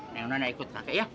nah nenek nenek ikut kakek ya